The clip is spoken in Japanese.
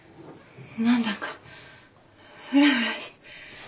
何だかフラフラして。